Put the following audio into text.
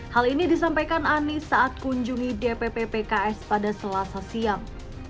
hal ini disampaikan anies saat kunjungi dpp pks pada selasa siang